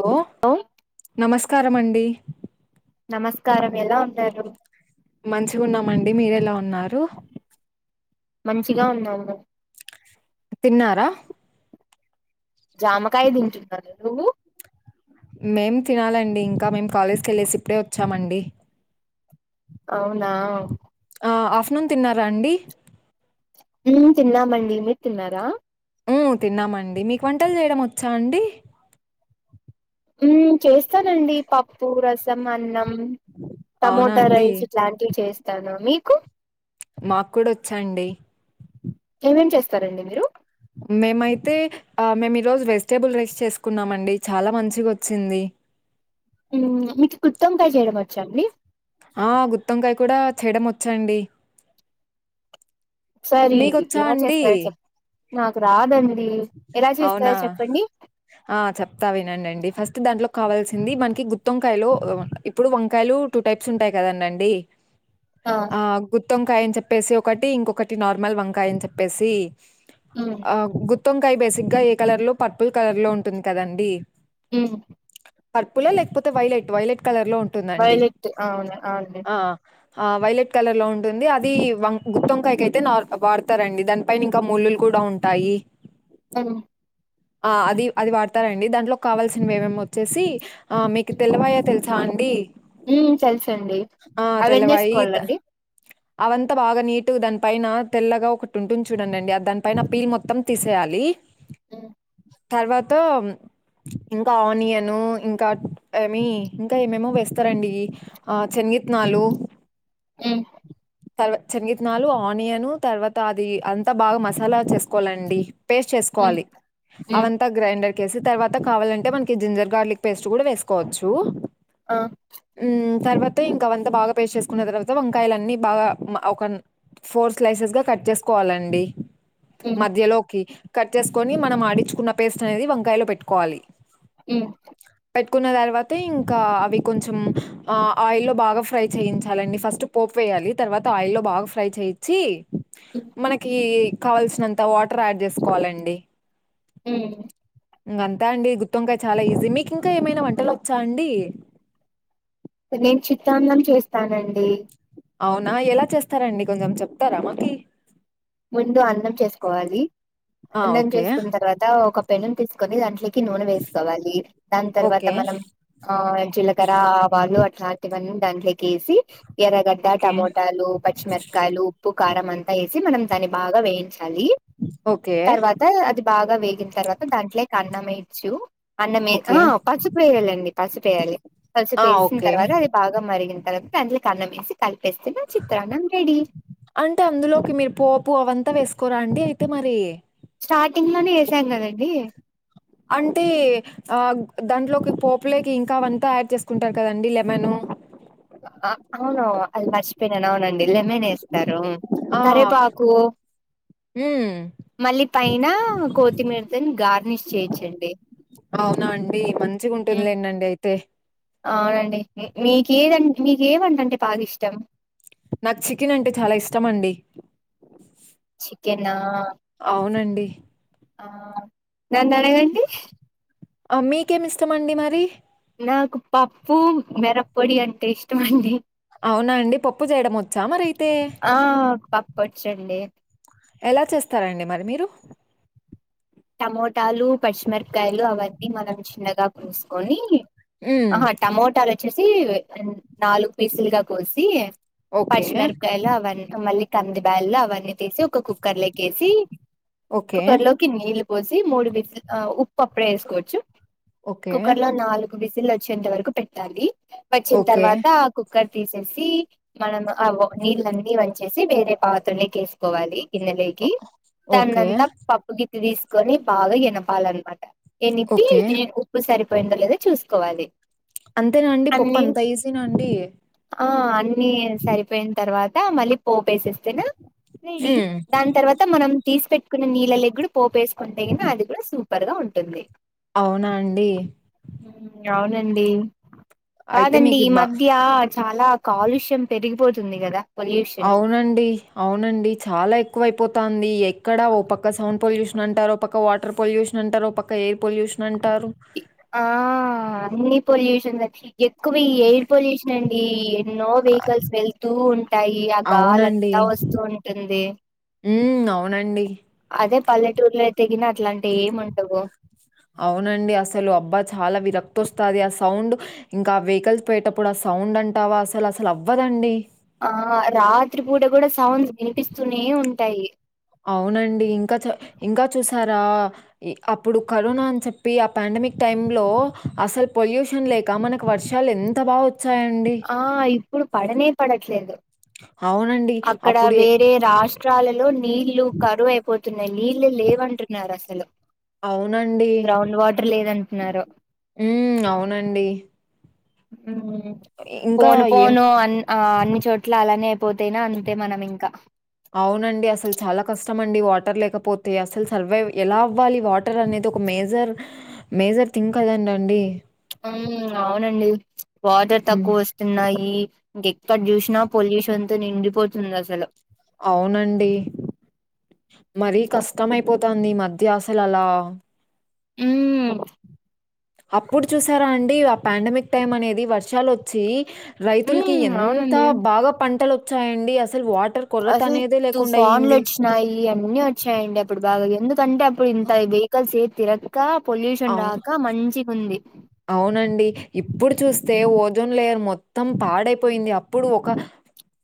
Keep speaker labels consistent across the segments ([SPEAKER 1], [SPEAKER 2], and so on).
[SPEAKER 1] Bro
[SPEAKER 2] hello
[SPEAKER 1] నమస్కారమండి
[SPEAKER 2] నమస్కారం ఎలా ఉండారు
[SPEAKER 1] మంచిగా ఉన్నామండి మీరెలా ఉన్నారు
[SPEAKER 2] మంచిగా ఉన్నాను
[SPEAKER 1] తిన్నారా
[SPEAKER 2] జామకాయ తింటున్నారు నువ్వు
[SPEAKER 1] మేం తినాలండి ఇంకా మేము కాలేజ్కి వెళ్ళేసి ఇప్పుడే వచ్చామండి
[SPEAKER 2] అవునా
[SPEAKER 1] ఆ అఫ్టర్నూన్ తిన్నారా అండి
[SPEAKER 2] మ్ తిన్నామండి మీరు తిన్నారా
[SPEAKER 1] మ్ తిన్నామండి మీకు వంటలు చేయడం వచ్చా అండి
[SPEAKER 2] ఉ చేస్తానండి పప్పు రసం అన్నం
[SPEAKER 1] అవునా
[SPEAKER 2] టమోటా
[SPEAKER 1] అండి
[SPEAKER 2] రైస్ ఇట్లాంటివి చేస్తాను మీకు
[SPEAKER 1] మాక్ కూడా వచ్చండి
[SPEAKER 2] ఏమేం చేస్తారండి మీరు
[SPEAKER 1] మేమైతే ఆ మేము ఈరోజు వెజిటేబుల్ రైస్ చేసుకున్నాం అండి చాలా మంచిగా వచ్చింది
[SPEAKER 2] ఊ మీకు కుత్తంకాయ చేయడం వచ్చా అండి
[SPEAKER 1] ఆ గుత్తంకాయ కూడా చేయడం వచ్చాండి
[SPEAKER 2] సరి
[SPEAKER 1] మీకొచ్చా
[SPEAKER 2] ఎలా
[SPEAKER 1] అండి
[SPEAKER 2] చేస్తారో చెప్ నాకు రాదండి ఎలా
[SPEAKER 1] అవునా
[SPEAKER 2] చేస్తారో చెప్పండి
[SPEAKER 1] ఆ చెప్తా వినండండి ఫస్ట్ దాంట్లో మనకు కావాల్సింది మనకి గుత్తంకాయలు ఆ ఇప్ ఇప్పుడు వంకాయలు టూ టైప్స్ ఉంటాయి కదండండి ఆ గుత్తి వంకాయ అని చెప్పేసి ఒకటి ఇంకొకటి నార్మల్ వంకాయ అని చెప్పేసి
[SPEAKER 2] ఉమ్
[SPEAKER 1] ఆ గుత్తొంకాయ బేసిక్గా ఏ కలర్ లో పర్పుల్ కలర్ లో ఉంటుంది కదండి
[SPEAKER 2] ఊ
[SPEAKER 1] పర్పుల్ ల లేకపోతే వైలెట్ వైలెట్ కలర్ లో ఉంటుందండి
[SPEAKER 2] వైలెట్ అవును అవునండి
[SPEAKER 1] ఆ ఆ వైలెట్ కలర్ లో ఉంటుంది అది వం గుత్తోంకాయకి అయితే నార్ వాడతారండి దానికి పైన ఇంకా ముళ్లులు కూడా ఉంటాయి
[SPEAKER 2] ఉమ్
[SPEAKER 1] ఆ అది అది వాడతారండి దాంట్లో కావాల్సినవెమేమి వచ్చేసి ఆ మీకు తెల్లవాయ తెలు సాండి
[SPEAKER 2] ఊ తెలుస అండి
[SPEAKER 1] తెల్లవాయి త
[SPEAKER 2] అవన్నేసుకోవాలండి
[SPEAKER 1] అవంతా బాగా నీటు దాని పైన తెల్లగా ఒకటి ఉంటుంది చూడండి అ దాని పైన పీల్ మొత్తం తీసి చేయాలి
[SPEAKER 2] ఊ
[SPEAKER 1] తర్వాత ఇంకా ఆనియను ఇంకా ఏమి ఇంకా ఏమేమో వేస్తారండి ఆ చెంగిత్నాలు
[SPEAKER 2] ఉమ్
[SPEAKER 1] తర్వా శనగిత్తనాలు ఆనియను తర్వాత అది అంతా బాగా మసాలా చేసుకోవాలండి పేస్ట్
[SPEAKER 2] హ్మ్
[SPEAKER 1] చేసుకోవాలి
[SPEAKER 2] హ్మ్
[SPEAKER 1] అవంతా గ్రైండర్ కి వేసి తర్వాత కావాలంటే మనకి జింజర్ గార్లిక్ పేస్ట్ కూడా వేసుకోవచ్చు
[SPEAKER 2] ఆ
[SPEAKER 1] ఊ తర్వాత ఇంకా అవంతా బాగా పేస్ చేసుకున్న తర్వాత వంకాయలన్నీ బాగా ఒక ఫోర్ స్లైసెస్ గా కట్ చేసుకోవాలండి
[SPEAKER 2] హ్మ్
[SPEAKER 1] మధ్యలోకి కట్ చేసుకొని మనం ఆడించుకున్న పేస్ట్ అనేది వంకాయలో పెట్టుకోవాలి
[SPEAKER 2] ఊ
[SPEAKER 1] పెట్టుకున్న తర్వాతే ఇంకా అవి కొంచెం ఆ ఆయిల్ల్లో బాగా ఫ్రై చేయించాలండి ఫస్ట్ పోపు వేయాలి తర్వాత ఆయిల్లో బాగా ఫ్రై చేయిచి మనకి కావాల్సినంత వాటర్ యాడ్ చేసుకోవాలండి
[SPEAKER 2] ఊ
[SPEAKER 1] ఇంకంతా అండి గుత్తోంకాయ చాలా ఈజీ మీకు ఇంకా ఏమైనా వంటలు వచ్చా అండి
[SPEAKER 2] నేను చిత్తాన్నం చేస్తానండి
[SPEAKER 1] అవునా ఎలా చేస్తారండి కొంచెం చెప్తారా మకి
[SPEAKER 2] ముందు అన్నం చేసుకోవాలి
[SPEAKER 1] ఆ!
[SPEAKER 2] అన్నం
[SPEAKER 1] ఓకే.
[SPEAKER 2] చేసుకున్న తర్వాత ఒక పెనం తీసు కొని దాంట్లోకి నూనె వేసుకోవాలి దాని తర్వాత
[SPEAKER 1] ఓకే.
[SPEAKER 2] మనం ఆ జీలకర్ర ఆవాలు అట్లాంటివన్నీ దాంట్లోకి వేసి ఎర్రగడ్డ
[SPEAKER 1] ఓకే.
[SPEAKER 2] టమోటాలు పచ్చిమిరకాయ ఉప్పు కారం అంతా వేసి మనం దాని బాగా వేయించాలి
[SPEAKER 1] ఓకే
[SPEAKER 2] తే అది బాగా వేగిన తర్వాత దాంట్లోకి అన్నం ఎయ్యొచ్చు అన్నమే
[SPEAKER 1] ఓకే.
[SPEAKER 2] ఆహా పసుపు వేయాలండి పసుపేయాలి
[SPEAKER 1] ఆ!
[SPEAKER 2] పసుపేసిన
[SPEAKER 1] ఓకే.
[SPEAKER 2] తర్వాత అది బాగా మరిగిన తర్వాత దంట్లేకి అన్నమేసి కలిపేస్తే నా చిత్రాన్నం రెడీ
[SPEAKER 1] అంటే అందులోకి మీరు పోపు అవంతా వేసుకోరాండి అయితే మరి
[SPEAKER 2] స్టార్టింగ్లోనే ఏసాం కదండి
[SPEAKER 1] అంటే ఆ దాంట్లోకి పోపులేకి ఇంకా అవంతా యాడ్ చేసుకుంటారు కదండి లెమన్
[SPEAKER 2] ఆ అవును అది మర్చిపోయినను అవునండి లెమన్ ఏస్తారు కరేపాకు
[SPEAKER 1] ఉమ్మ్
[SPEAKER 2] మళ్ళీ పైన కోతిమీరతోని గార్నిష్ చేయచ్చండి
[SPEAKER 1] అవునా అండి మంచిగా ఉంటుందిలేండండి అయితే
[SPEAKER 2] అవునండి మీకేదంటే మీకే వంట అంటే బాగా ఇష్టం
[SPEAKER 1] నాకు చికెన్ అంటే చాలా ఇష్టమండి
[SPEAKER 2] చికెనా
[SPEAKER 1] అవునండి
[SPEAKER 2] ఆ నన్ను అడగండి
[SPEAKER 1] ఆ మీకేమి ఇష్టమండి మరి
[SPEAKER 2] నాకు పప్పు మెరపొడి అంటే ఇష్టమండి
[SPEAKER 1] అవునాండి పప్పు చేయడం వచ్చా మరి అయితే
[SPEAKER 2] ఆ పప్పొచ్చండి
[SPEAKER 1] ఎలా చేస్తారండి మరి మీరు
[SPEAKER 2] టమోటాలు పచ్చిమిరపకాయలు అవన్నీ మనం చిన్నగా కోసుకొని
[SPEAKER 1] హ్మ్.
[SPEAKER 2] ఆహ టమోటాలు వచ్చేసి నాలుగు పీసులుగా కోసి
[SPEAKER 1] ఓకే.
[SPEAKER 2] పచ్చిమిరపకాయలు అవన్నీ మళ్ళీ కంది బ్యాళ్లు అవన్నీ తీసి ఒక కుక్కర్లోకి ఎసి
[SPEAKER 1] ఓకే.
[SPEAKER 2] కుక్కర్లోకి నీళ్ళు పోసి మూడు విజ్ ఆ ఉప్పు అప్పుడే ఏసుకోవచ్చు
[SPEAKER 1] ఓకే.
[SPEAKER 2] కుక్కర్లో నాలుగు విజ్జిలు వచ్చేంత వరకు పెట్టాలి వచ్చిన
[SPEAKER 1] ఓకే.
[SPEAKER 2] తర్వాత కుక్కర్ తీసేసి మనం ఆ నీళ్ళన్నీ వంచేసి వేరే పాత్రలోకి ఎసుకోవాలి
[SPEAKER 1] ఓ
[SPEAKER 2] గీన్నెలేకి
[SPEAKER 1] ఓకే.
[SPEAKER 2] దన్నంతా పప్పు గిత్తే తీసుకొని బాగా ఎనపాలన్నమాట ఎనిపి
[SPEAKER 1] ఓకే.
[SPEAKER 2] ఉప్పు సరిపోయిందో లేదా చూసుకోవాలి
[SPEAKER 1] అంతేనాండి పప్పు
[SPEAKER 2] అన్ని
[SPEAKER 1] అంతా ఈజీనాండి
[SPEAKER 2] ఆ అన్ని సరిపోయిన తర్వాత మళ్ళీ ఫోప్ ఎసేస్తేనే రెడీ
[SPEAKER 1] హ్మ్.
[SPEAKER 2] దాని తర్వాత మనం తీసి పెట్టుకున్న నీళ్ళలేకి గుడా పోప్ ఎసు కుంటే గినా అది కూడా సూపర్‌గా ఉంటుంది
[SPEAKER 1] అవునా అండి
[SPEAKER 2] ఉమ్మ్ అవునండి
[SPEAKER 1] అయితే
[SPEAKER 2] కాదండి
[SPEAKER 1] మీకి
[SPEAKER 2] ఈ
[SPEAKER 1] బా
[SPEAKER 2] మధ్య చాలా కాలుష్యం పెరిగిపోతుంది కదా పొల్యూషన్
[SPEAKER 1] అవునండి అవునండి చాలా ఎక్కువైపోతుంది ఎక్కడా ఓ ప క్క సౌండ్ పొల్యూషన్ అంటారు పక్క వాటర్ పొల్యూషన్ అంటారు ఒక పక్క ఎయిర్ పొల్యూషన్ అంటారు
[SPEAKER 2] ఆ అన్ని పొల్యూషన్స్ వచ్చి ఎక్కువ ఈ ఎయిర్ పొల్యూషన్ అండి ఎన్నో వెహికల్స్ వెళ్తూ ఉంటాయి ఆ గాలింతా వస్ తో ఉంటుంది
[SPEAKER 1] ఉమ్మ్ అవునండి
[SPEAKER 2] అదే పల్లెటూర్లో అయితే గినా అట్లాంటి ఏముండవు
[SPEAKER 1] అవునండి అసలు అబ్బా చాలా విరక్తి వస్తాది ఆ సౌండ్ ఇంకా వెహికల్స్ పోయేటప్పుడు ఆ సౌండ్ అంటావా అసలు అసలు అవ్వదండి
[SPEAKER 2] ఆ రాత్రి పూట కూడా సౌండ్స్ వినిపిస్తూనే ఉంటాయి
[SPEAKER 1] అవునండి ఇంకా చ ఇంకా చూసారా అప్పుడు కరోనా అని చెప్పి ఆ పాండమిక్ టైమ్ లో అసలు పొల్యూషన్ లే కా మనకు వర్షాలు ఎంత బాగా వచ్చాయండి
[SPEAKER 2] ఆ ఇప్పుడు పడనే పడట్లేదు
[SPEAKER 1] అవునండి.
[SPEAKER 2] అక్కడ
[SPEAKER 1] అప్పుడే
[SPEAKER 2] వేరే రాష్ రాష్ట్రాలలో నీళ్లు కరువు అయిపోతున్నాయి నీళ్లు లేవంటున్నారు అసలు
[SPEAKER 1] అవునండి
[SPEAKER 2] గ్రౌండ్ వాటర్ లేదంటున్నారు
[SPEAKER 1] మ్మ్ అవునండి
[SPEAKER 2] మ్మ్
[SPEAKER 1] ఇంకా
[SPEAKER 2] పోను
[SPEAKER 1] ఏం
[SPEAKER 2] పోను అన్ ఆ అన్ని చోట్ల అలానే అయిపోతేనా అంతే మనం ఇంకా
[SPEAKER 1] అవునండి అసలు చాలా కష్టమండి వాటర్ లేకపోతే అసలు సర్వైవ్ ఎలా అవ్వాలి వా వాటర్ అనేది ఒక మేజర్ మేజర్ థింగ్ కదందండి
[SPEAKER 2] మ్మ్ అవునండి వాటర్
[SPEAKER 1] హ్మ్.
[SPEAKER 2] తక్కువస్తున్నాయి ఇంకెక్కడ చూసినా పొల్యూషన్ తో నిండిపోతుందసలు
[SPEAKER 1] అవునండి మరీ కష్టమయిపోతాంది ఈ మధ్య అసలు అలా
[SPEAKER 2] ఉమ్
[SPEAKER 1] అప్పుడు చూసారా అండి ఆ ప్యాండమిక్ టైం అనేది వర్షాలు వచ్ వచ్చి రైతులకి
[SPEAKER 2] ఉమ్
[SPEAKER 1] ఎంత
[SPEAKER 2] అవునండి
[SPEAKER 1] బాగా పంటలు వచ్చాయండి అసలు వాటర్ కొలత అనేదే లేకుండయ్యింది
[SPEAKER 2] మరి ఇయన్నీ వచ్చాయండి అప్పుడు బాగా ఎందుకంటే అప్పుడు ఇంత వెహికల్స్ ఏ తిరగా తిరగక పొల్యూషన్
[SPEAKER 1] అవు
[SPEAKER 2] రాక మంచిగుంది
[SPEAKER 1] అవునండి ఇప్పుడు చూస్తే ఓజోన్ లేయర్ మొత్తం పాడైపోయింది అప్పుడు ఒక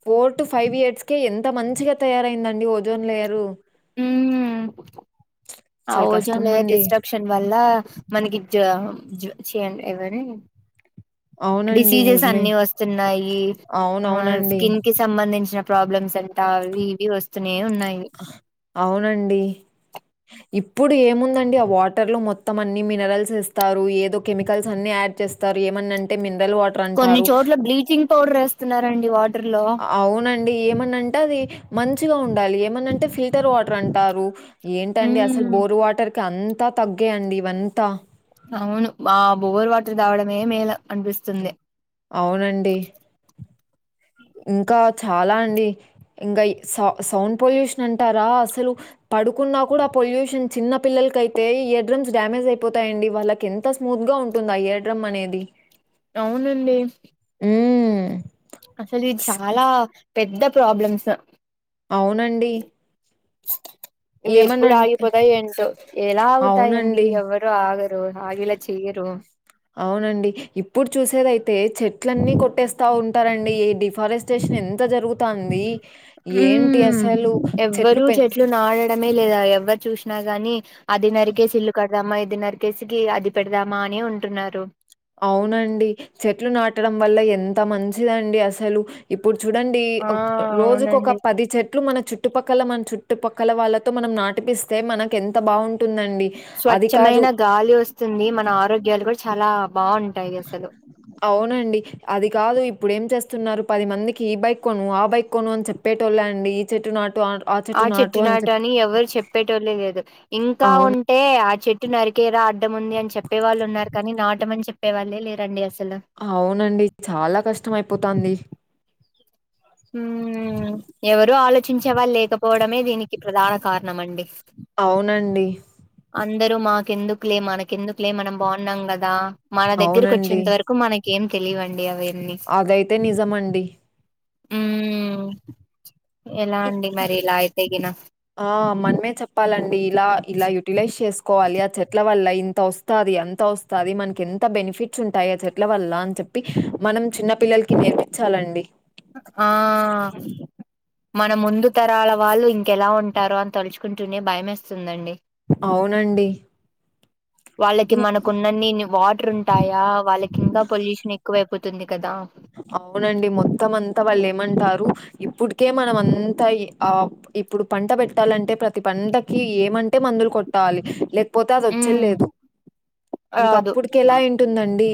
[SPEAKER 1] ఫోర్ టు ఫైవ్ ఇయర్స్ కే ఎంత మంచిగా తయారైందండి ఓజోన్ లేయరు
[SPEAKER 2] మ్మ్ ఆ
[SPEAKER 1] చాలా
[SPEAKER 2] ఓజోన్
[SPEAKER 1] కష్టం
[SPEAKER 2] లేయర్
[SPEAKER 1] అండి
[SPEAKER 2] డిస్ట్రక్షన్ వల్ల మనకి జ జ్యా చేయండి ఏవని
[SPEAKER 1] అవునండి
[SPEAKER 2] డిసీజెస్
[SPEAKER 1] నిజమే
[SPEAKER 2] అన్ని వస్తున్నాయి మ
[SPEAKER 1] అవునవునండి
[SPEAKER 2] స్కిన్ కి సంబంధించిన ప్రాబ్లమ్స్ అంతా అవి ఇవి వస్తూనే ఉన్నాయి
[SPEAKER 1] అవునండి ఇప్పుడు ఏముందండి ఆ వాటర్ లో మొత్తం అన్ని మినరల్స్ ఇస్తారు ఏదో కెమికల్స్ అన్ని యాడ్ చేస్త స్తారు ఏమన్నంటే మినరల్ వాటర్
[SPEAKER 2] కొన్ని
[SPEAKER 1] అంటారు
[SPEAKER 2] చోట్ల బ్లీచింగ్ పౌడర్ వేస్తున్నారండి వాటర్ లో
[SPEAKER 1] అవునండి ఏమన్నంటే అది మంచిగా ఉండాలి ఏమన్నంటే ఫిల్టర్ వాటర్ అంటారు ఏంటండి అసలు
[SPEAKER 2] ఉమ్
[SPEAKER 1] బోరు వాటర్కి అంతా తగ్గే అండి ఇవంతా
[SPEAKER 2] అవును మా బోవర్ వాటర్ తాగడమే మేలు అనిపిస్తుంది
[SPEAKER 1] అవునండి ఇంకా చాలా అండి ఇంకా సౌ సౌండ్ పొల్యూషన్ అంటారా అసలు పడుకున్నా కూడా పొల్యూషన్ చిన్న పిల్లలకైతే హెడ్డ్రమ్స్ డ్యామేజ్ అయిపోతాయండి వాళ్ళకి ఎంత ఎంత స్మూత్ గా ఉంటుంది ఆ ఇయర్డ్రమ్ అనేది
[SPEAKER 2] అవునండి
[SPEAKER 1] మ్మ్
[SPEAKER 2] అసలు ఇది చాలా పెద్ద ప్రాబ్లమ్స్
[SPEAKER 1] అవునండి
[SPEAKER 2] ఇవి ఎప్పుడు
[SPEAKER 1] ఏమనంటే
[SPEAKER 2] ఆగిపోతాయో ఏంటో ఎలా ఆగుతాయండి
[SPEAKER 1] అవునండి.
[SPEAKER 2] ఎవరు ఆగరు ఆగేలా చేయరు
[SPEAKER 1] అవునండి ఇప్పుడు చూసేదైతే చెట్లన్నీ కొట్టేస్తా ఉంటారండి ఈ డిఫారెస్ట్ షట్ ఎంత జరుగుతుంది ఏంటి అసలు చెట్లు పెం
[SPEAKER 2] చేట్లు నాటడమే లేదా ఎవరు చూసినా గాని అది నరికే ఇల్లు కడదామా ఇది నరిక్ డిస్కీ అది పెడదామా అనే అంటున్నారు
[SPEAKER 1] అవునండి చెట్లు నాటడం వల్ల ఎంత మంచిదండి అసలు ఇప్పుడు చూడండి
[SPEAKER 2] ఆ
[SPEAKER 1] రోజుక ఒక
[SPEAKER 2] అవునండి
[SPEAKER 1] పది చెట్ ఇట్ల మన చుట్టుపక్కల మన చుట్టుపక్కల వాళ్ళతో మనం నాటిపిస్తే మనకు ఎంత బాగుంటుందండి
[SPEAKER 2] స్వచ్ఛమైన గాలి వస్తుంది మన ఆరోగ్యాలు కూడా చాలా బాగుంటాయి అసలు
[SPEAKER 1] అవునండి అది కాదు ఇప్పుడు ఏం చేస్తున్నారు పది మందికి ఈ బైక్ కొను ఆ బైక్ కొను అని చెప్పేటొళ్ళే అండి చెట్టునాటు ఆంట్
[SPEAKER 2] ఆ చెట్టు నాటు అని ఎవరు చెప్పేటోళ్ళ లేదు ఇంకా
[SPEAKER 1] అవును.
[SPEAKER 2] ఉంటే ఆ చెట్ట్ చెట్టు నరికేర అడ్డం ఉంది అని చెప్పే వాళ్ళు ఉన్నారు కానీ నాట మని చెప్పే వాళ్ళే లేరండి అసలు
[SPEAKER 1] అవునండి చాలా కష్టం అయిపోతుంది
[SPEAKER 2] ఉ ఎవరు ఆలోచించేవాళ్ళు లేకపోవడమే దీనికి ప్రధాన కారణం అండి
[SPEAKER 1] అవునండి.
[SPEAKER 2] అందరూ మాకెందుకులే మనకెందుకులే మనం బాగున్నాం కదా మన దగ్గరకు
[SPEAKER 1] అవునండి.
[SPEAKER 2] వచ్చేంత వరకు కొ మనకెం తెలివండి అవన్నీ
[SPEAKER 1] అదైతే నిజమండి
[SPEAKER 2] హ్మ్మ్ ఎలా అండి మరి ఇలా అయితేగిన
[SPEAKER 1] ఆ మనమే చెప్పాలండి ఇలా ఇలా యూటిలైజ్ చేసుకో కో వాలి ఆ చెట్ల వల్ల ఇంత వస్తుంది అంత వస్తుంది మనకి ఎంత బెనిఫిట్స్ ఉంటాయి ఆ చెట్ల వల్ల అని చెప్ చెప్పి మనం చిన్న పిల్లలకి నేర్పించాలండి
[SPEAKER 2] ఆహ్ మన ముందు తరాల వాళ్ళు ఇంకెలా ఉంటారొ అని తలుచుకుంటూనే భయం వేస్తుందండి
[SPEAKER 1] అవునండి
[SPEAKER 2] వాళ్ళకి
[SPEAKER 1] ఇం
[SPEAKER 2] మనకున్నన్ని వాటర్ ఉంటాయా వాళ్ళకి ఇంకా పొల్యూషన్ ఎక్కువైపోతుంది కదా
[SPEAKER 1] అవునండి మొత్తం అంతా వాళ్ళు ఏమంటారు ఇప్పుడుకే మనం అంతా ఇ ఆ ఇప్పుడు పంట పెట్టాలంటే ప్రతి పంటకి ఏమంటే మందులు కొట్టాలి లే పోతే అది వచ్చే
[SPEAKER 2] మ్మ్
[SPEAKER 1] లేదు ఇంకా
[SPEAKER 2] రాదు
[SPEAKER 1] అప్పుడుకే ఎలా అయింటుందండి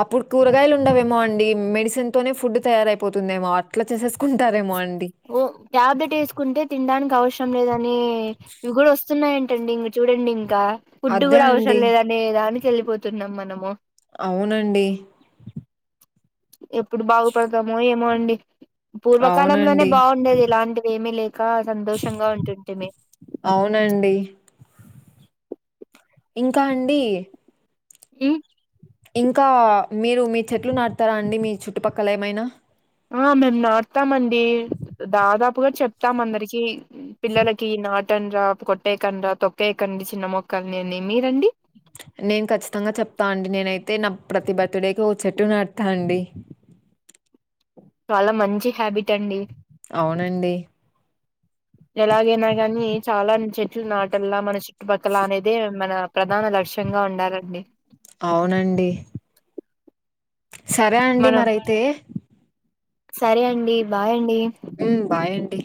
[SPEAKER 1] అప్పుడు కూరగాయలు ఉండవేమో అండి మెడిసిన్ తోనే ఫుడ్ తయారైపోతుందేమో అట్లా చేసేసుకుంటారేమో అండి
[SPEAKER 2] ఓ ట్యాబ్లెట్ వేసుకుంటే తినడానికి అవసరం లేదని ఇవి కూడా వస్తున్నాయింటండి ఇ చూడండి ఇంకా ఫుడ్
[SPEAKER 1] అదే
[SPEAKER 2] కూడా
[SPEAKER 1] అండి.
[SPEAKER 2] అవసరం లేదనే దానికి వెళ్ళిపోతున్నాం మనము
[SPEAKER 1] అవునండి
[SPEAKER 2] ఎప్పుడు బాగుపడతామో ఏమో అండి పూర్వకాలంలోనే
[SPEAKER 1] అవునండి.
[SPEAKER 2] బాగుండేది ఇలాంటివి ఏమీ లేక సంతోషంగా ఉంటుంటి మీ
[SPEAKER 1] అవునండి ఇంకా అండి
[SPEAKER 2] హ్మ్మ్
[SPEAKER 1] ఇంకా మీరు మీ చెట్లు నాడతారా అండి మీ చుట్టుపక్కల ఏమైనా
[SPEAKER 2] ఆ మేము నాడతామండి దాదాపుగా చెప్తాం అందరికి పిల్లలకి నాటనరా కొట్టేయకండిర నటండిరా తొక్కేయకండి చిన్న మొక్కలని అని మీరండి
[SPEAKER 1] నేను అయితే ఖచ్చితంగా చెప్తాను అండి నేనైతే నా ప్రతి బర్త్డేకి ఓ చెట్టు నడతా అండి
[SPEAKER 2] చాలా మంచి హ్యాబిట్ అండి
[SPEAKER 1] అవునండి ్
[SPEAKER 2] ఎలాగైనా గాని చాలాన్ చెట్లు నాటల్లా మన చుట్టుపక్కల అనేది మన ప్రధాన లక్ష్యంగా ఉండాలండి
[SPEAKER 1] అవునండి సరే అండి
[SPEAKER 2] మనం
[SPEAKER 1] మరైతే
[SPEAKER 2] సరే అండి బాయ్ అండి
[SPEAKER 1] ఉమ్ బాయ్ అండి